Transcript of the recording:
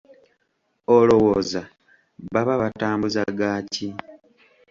Olowooza baba batambuza gaaki?